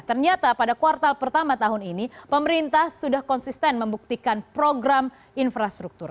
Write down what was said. ternyata pada kuartal pertama tahun ini pemerintah sudah konsisten membuktikan program infrastruktur